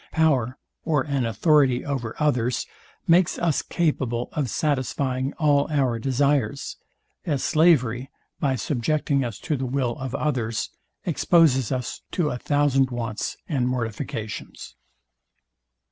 Power or an authority over others makes us capable of satisfying all our desires; as slavery, by subjecting us to the will of others, exposes us to a thousand wants, and mortifications.